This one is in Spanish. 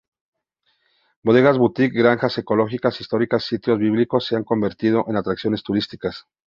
Bodegas Boutique, granjas ecológicas, históricas y sitios bíblicos se han convertido en atracciones turísticas.